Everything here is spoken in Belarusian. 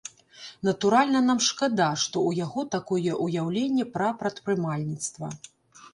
Натуральна, нам шкада, што ў яго такое ўяўленне пра прадпрымальніцтва.